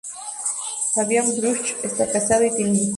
Fabian Busch está casado y tiene un hijo.